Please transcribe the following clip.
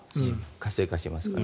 活性化しますから。